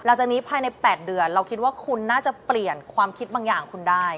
จากนี้ภายใน๘เดือนเราคิดว่าคุณน่าจะเปลี่ยนความคิดบางอย่างคุณได้